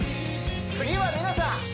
次は皆さん